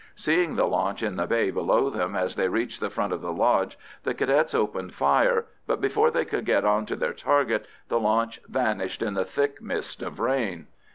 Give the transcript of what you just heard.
Seeing the launch in the bay below them as they reached the front of the lodge, the Cadets opened fire, but before they could get on to their target the launch vanished in the thick mist of rain.